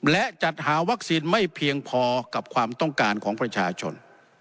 และจัดหาวัคซีนไม่เพียงพอกับความต้องการของประชาชน